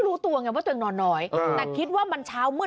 ลูกน้าหลังแว่ไหน